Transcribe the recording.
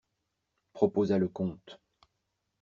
Proposa le comte.